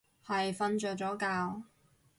係瞓着咗覺